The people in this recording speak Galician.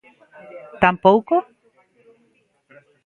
¿Tampouco?